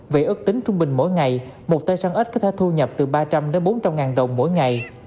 về ước tính trung bình mỗi ngày một tay săn ếch có thể thu nhập từ ba trăm linh bốn trăm linh đồng mỗi ngày